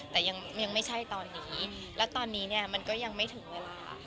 แต่ยังไม่ใช่ตอนนี้แล้วตอนนี้เนี่ยมันก็ยังไม่ถึงเวลา